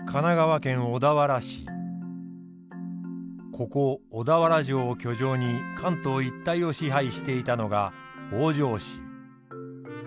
ここ小田原城を居城に関東一帯を支配していたのが北条氏。